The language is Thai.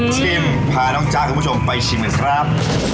ชิมพาน้องจ๊ะคุณผู้ชมไปชิมกันครับ